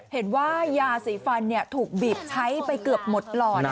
เห็นว่ายาสีฟันถูกบีบใช้ไปเกือบหมดหลอน